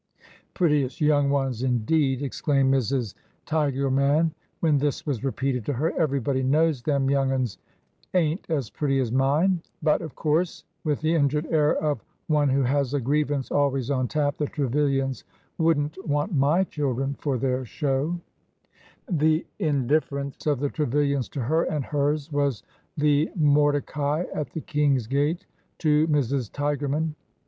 Prettiest young ones, indeed 1 " exclaimed Mrs. Ti german, when this was repeated to her. Everybody knows them young ones ain't as pretty as mine ! But, of course,"— with the injured air of one who has a grievance always on tap,— ''the Trevilians would n't want my children for their show 1 " The indifference of the Trevilians to her and hers was the " Mordecai at the king's gate " to Mrs. Tigerman.